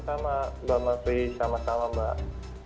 sama mbak mavri sama sama mbak